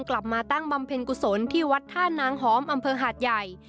กลับมาตั้งบำเพ็ญกุศลที่วัดท่านางหอมอำเภอหาดใหญ่